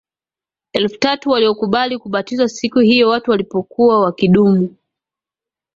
Elfu tatu waliokubali kubatizwa siku hiyo Watu walipokuwa wakidumu